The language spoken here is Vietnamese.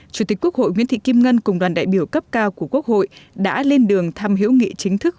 chủ tịch quốc hội nguyễn thị kim ngân cùng đoàn đại biểu cấp cao của quốc hội đã lên đường thăm hữu nghị chính thức